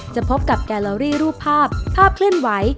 พบกับแกลลอรี่รูปภาพภาพเคลื่อนไหว